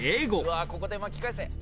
うわここで巻き返せ！